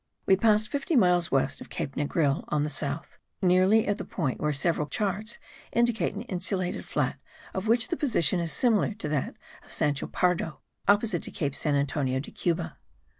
We passed fifty miles west of Cape Negril on the south, nearly at the point where several charts indicate an insulated flat of which the position is similar to that of Sancho Pardo, opposite to Cape San Antonio de Cuba.